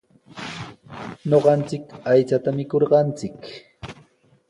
Ñuqanchik aychata mikurqanchik.